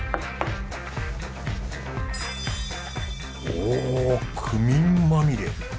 おおクミンまみれ。